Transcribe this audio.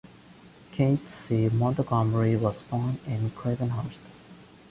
Keith C. Montgomery was born in Gravenhurst.